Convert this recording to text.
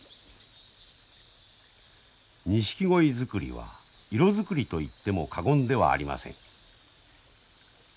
ニシキゴイ作りは色作りと言っても過言ではありません。